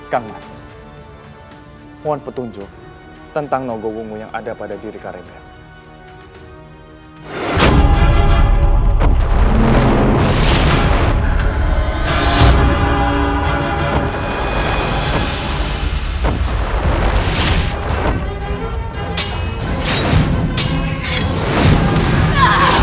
kang mas mohon petunjuk tentang nogobungu yang ada pada diri karebel